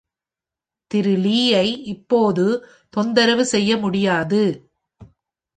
திரு லீயை இப்போது தொந்தரவு செய்ய முடியாது.